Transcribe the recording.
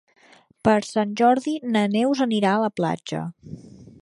Per Sant Jordi na Neus anirà a la platja.